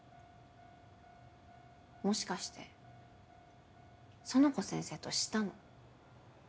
もしかして苑子先生としたの？